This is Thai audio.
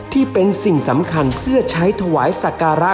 ที่เป็นสิ่งสำคัญเพื่อใช้ถวายสักการะ